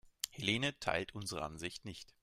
Helene teilt unsere Ansicht nicht.